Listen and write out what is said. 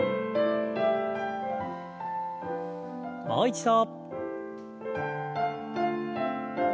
もう一度。